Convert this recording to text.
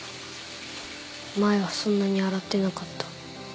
前はそんなに洗ってなかった。